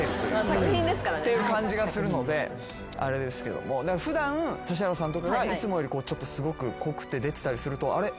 作品ですからね。っていう感じがするのであれですけども普段指原さんとかがいつもよりちょっとすごく濃くて出てたりするとあれ？